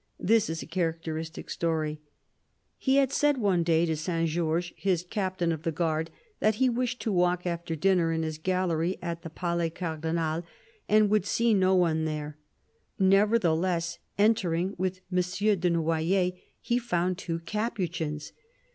This is a characteristic story :" He had said one day to Saint Georges, his captain of the guard, that he wished to walk after dinner in his gallery at the Palais Cardinal and would see no one there ; never theless, entering with M. de Noyers, he found two Capu chins.